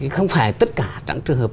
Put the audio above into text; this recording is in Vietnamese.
không phải tất cả trạng trường hợp